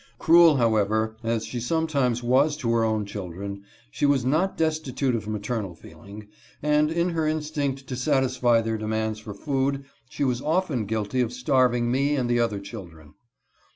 Cruel, however, as she sometimes was to her own children, she was not destitute of maternal feeling, and in her instinct to satisfy their demands for food she was often guilty of starving me and the other children.